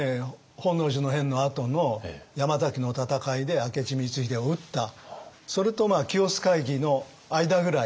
本能寺の変のあとの山崎の戦いで明智光秀を討ったそれと清須会議の間ぐらい。